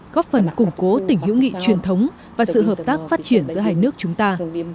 góp phần củng cố tỉnh hữu nghị truyền thống và sự hợp tác phát triển giữa hai nước chúng ta